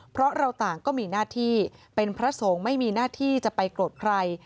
เพราะเราต่างก็มีหน้าที่เป็นพระสงฆ์ไม่มีหน้าที่จะไปโกรธใคร